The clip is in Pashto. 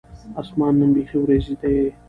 اسمان نن بیخي ور یځ دی